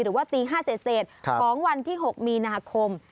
หรือว่าตี๕เศษของวันที่๖มีนาคม